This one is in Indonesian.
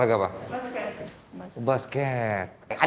jangan kenal uang gitu biar sese orang humility